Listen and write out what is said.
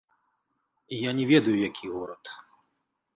Я не ведаю, які горад.